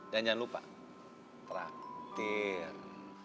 dan jangan lupa traktir